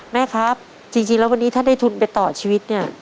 แม่ครับจริงแล้ววันนี้ถ้าได้ทุนไปต่อชีวิตเนี่ย